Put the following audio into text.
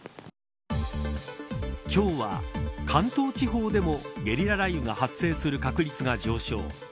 今日は関東地方でもゲリラ雷雨が発生する確率が上昇。